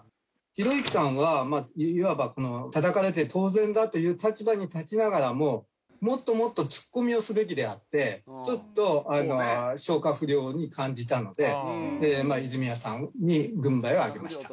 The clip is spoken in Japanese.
ひろゆきさんはいわばこの叩かれて当然だという立場に立ちながらももっともっとツッコミをすべきであってちょっと消化不良に感じたので泉谷さんに軍配を上げました。